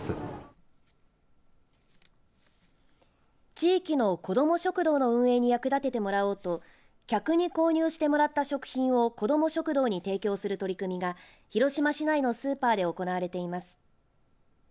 地域の子ども食堂の運営に役立ててもらおうと客に購入してもらった食品を子ども食堂に提供する取り組みが広島市内のスーパーで行われています。